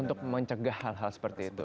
untuk mencegah hal hal seperti itu